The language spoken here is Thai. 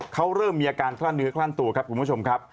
เขาเริ่มมีอาการคลั่นเนื้อคลั่นตัวครับคุณผู้ชมครับ